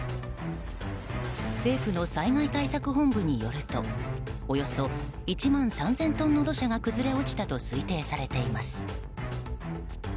政府の災害対策本部によるとおよそ１万３０００トンの土砂が崩れ落ちたと推定されています。